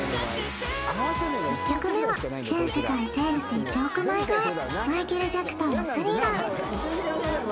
１曲目は全世界セールス１億枚超えマイケル・ジャクソンの「スリラー」